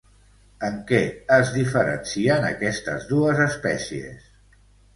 En què es diferencien aquestes dues espècies?